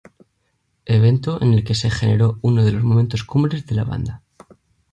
Evento en el que se generó uno de los momentos cumbres de la banda.